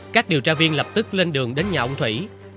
các điều tra viên lập tức lên đường đến nhà ông thủy